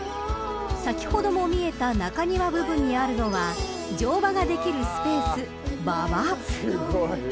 ［先ほども見えた中庭部分にあるのは乗馬ができるスペース馬場］